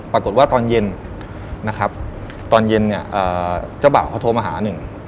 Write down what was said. ตอนเย็นนะครับตอนเย็นเนี่ยเจ้าบ่าวเขาโทรมาหาหนึ่ง